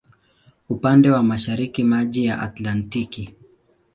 Upande wa mashariki maji ya Atlantiki.